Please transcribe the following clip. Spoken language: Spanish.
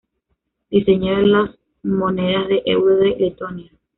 Diseño de los monedas de euro de Letonia